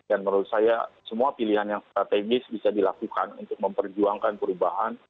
dan menurut saya semua pilihan yang strategis bisa dilakukan untuk memperjuangkan perubahan